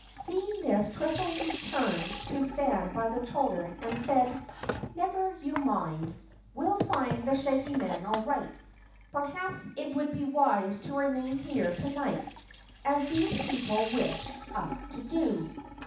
Seeing this, Twiffle returned to stand by the children and said: "Never you mind. We'll find the Shaggy Man all right. Perhaps it would be wise to remain here tonight as these people wish us to do.